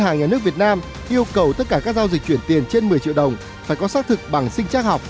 nước việt nam yêu cầu tất cả các giao dịch chuyển tiền trên một mươi triệu đồng phải có xác thực bằng sinh trác học